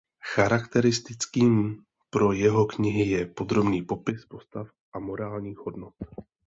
Charakteristickým pro jeho knihy je podrobný popis postav a morálních hodnot.